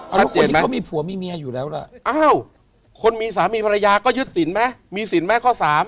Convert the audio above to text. ถัดเจนไหมอ้าวคนมีสามีภรรยาก็ยึดสินไหมมีสินไหมข้อ๓